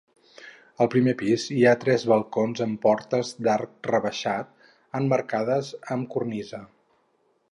Al primer pis hi ha tres balcons amb portes d'arc rebaixat, emmarcades amb cornisa.